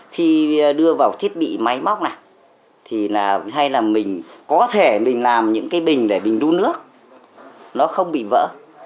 khi đưa vào thiết bị máy móc này thì hay là mình có thể mình làm những cái bình để bình đu nước nó không bị vỡ